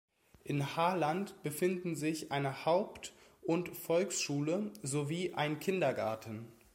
In Harland befinden sich eine Haupt- und Volksschule sowie ein Kindergarten.